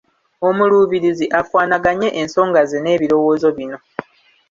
Omuluubirizi akwanaganye ensonga ze n’ebirowoozo bino